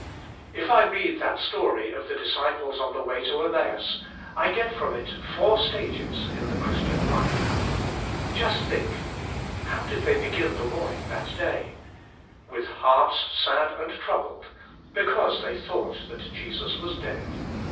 If I read that story of the disciples on the way to Emmaus, I get from it four stages in the Christian life. Just think I How did they begin the morning that day ? With l)eart0 snX> and ttoubledt because they thought Jesus was dead.